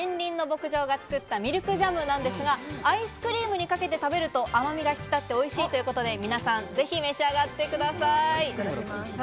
牧場が作ったミルクジャムなんですが、アイスクリームにかけて食べると甘みが引き立っておいしいということで、皆さんぜひ召し上がってください。